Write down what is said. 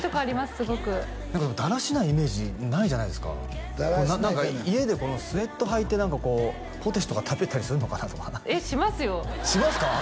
すごくだらしないイメージないじゃないですかだらしないじゃない家でスエットはいて何かこうポテチとか食べたりするのかなとかえっしますよしますか？